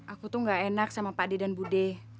aku tuh gak enak sama pak d dan budi